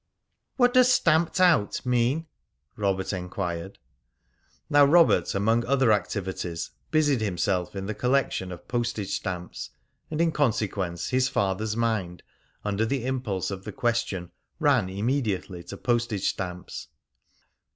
"What does 'stamped out' mean?" Robert enquired. Now Robert, among other activities, busied himself in the collection of postage stamps, and in consequence his father's mind, under the impulse of the question, ran immediately to postage stamps.